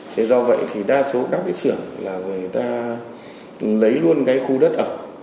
thế do vậy thì đa số các sửa là người ta lấy luôn cái khu đất ở